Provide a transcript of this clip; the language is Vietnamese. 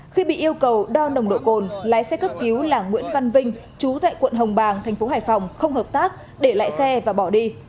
khi bị yêu cầu đo nồng độ cồn lái xe cấp cứu là nguyễn văn vinh chú tại quận hồng bàng tp hải phòng không hợp tác để lại xe và bỏ đi